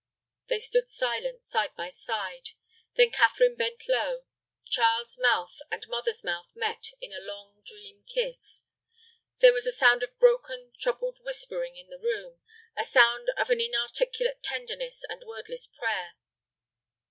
They stood silent, side by side. Then Catherine bent low; child's mouth and mother's mouth met in a long dream kiss. There was a sound of broken, troubled whispering in the room, a sound as of inarticulate tenderness and wordless prayer.